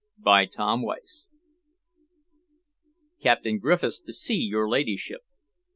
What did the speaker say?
CHAPTER IX "Captain Griffiths to see your ladyship."